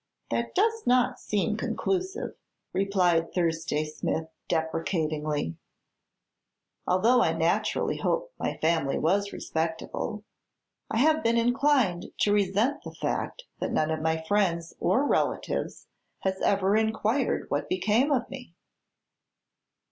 "That does not seem conclusive," replied Thursday Smith, deprecatingly, "although I naturally hope my family was respectable. I have been inclined to resent the fact that none of my friends or relatives has ever inquired what became of me."